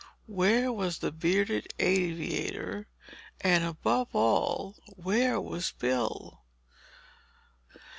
Where was the bearded aviator—and above all, where was Bill?